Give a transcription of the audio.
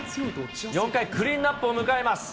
４回、クリーンナップを迎えます。